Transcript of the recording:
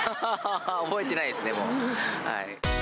覚えてないですね、もう。